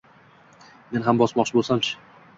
Men ham bosmoqchi bo‘lsamchi?